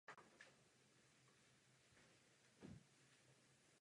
Stálé sbírky obrazů sahají od středověku až po současnost.